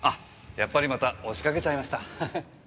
やっぱりまた押しかけちゃいましたハハ。